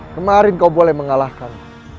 kemarin kau boleh mengalahkan